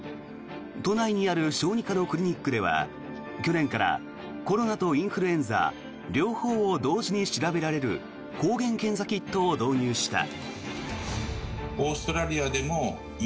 都内にある小児科のクリニックでは去年からコロナとインフルエンザ両方を同時に調べられる抗原検査キットを導入した。